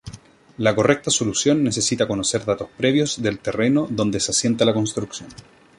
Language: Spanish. La correcta solución necesita conocer datos previos del terreno donde se asienta la construcción.